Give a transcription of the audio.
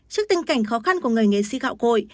trước tình cảnh khó khăn của người nghệ sĩ si gạo cội